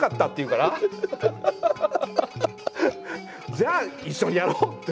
「じゃあ一緒にやろう」って。